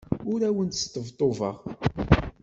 Ur awent-sṭebṭubeɣ.